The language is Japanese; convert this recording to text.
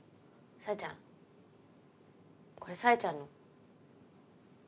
サエちゃんこれサエちゃんの？